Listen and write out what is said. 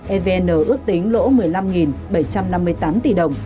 evn ước tính lỗ một mươi năm bảy trăm năm mươi tám tỷ đồng